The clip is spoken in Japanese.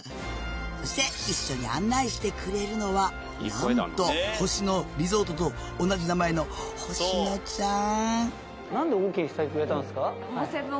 そして一緒に案内してくれるのはなんと星野リゾートと同じ名前の星野ちゃん。